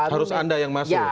harus anda yang masuk